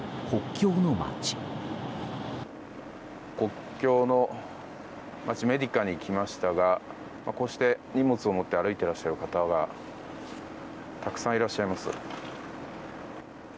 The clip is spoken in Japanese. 国境の街メディカに来ましたがこうして荷物を持って歩いていらっしゃる方はたくさんいらっしゃいます。